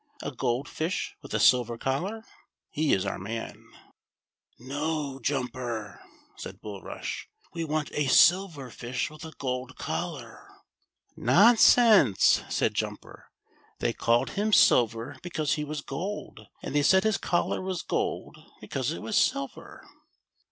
A gold fish with a silver collar ! Here is our man," " No, Jumper," said Bulrush ;" we want a silver fish with a gold collar." "Nonsense!" said Jumper; "they called him silver, 7 HE SILVER El SIT. 43 because he was gold ; and they said his collar was gold, because it was silver."